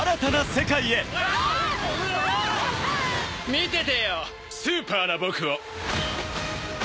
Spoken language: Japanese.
「見ててよスーパーな僕を」